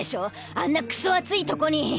あんなクソ暑いとこに！